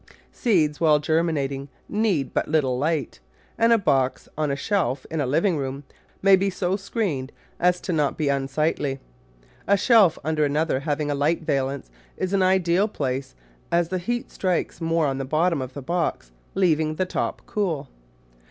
Seeds while germi nating need but little light, and a box on a shelf in a living room may be so screened as not to be un sightly. A shelf under another, having a light valance, is an ideal place, as the heat strikes more on the bottom of the box, leaving the top cool.